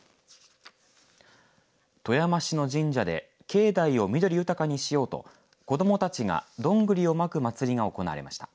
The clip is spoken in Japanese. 富山市の神社で境内を緑豊かにしようと子どもたちがどんぐりをまく祭りが行われました。